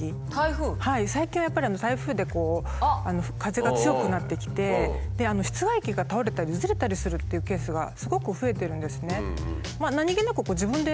最近はやっぱり台風で風が強くなってきて室外機が倒れたりずれたりするっていうケースがすごく増えてるんですね。